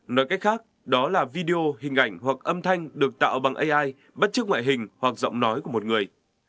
nói cách khác đó là video hình ảnh hoặc âm thanh được tạo bằng ai bất chức ngoại hình hoặc giọng nói của một người